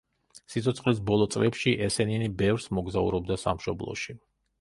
სიცოცხლის ბოლო წლებში ესენინი ბევრს მოგზაურობდა სამშობლოში.